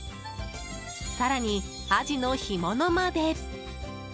更にアジの干物まで。